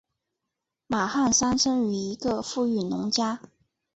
马汉三生于一个富裕农家。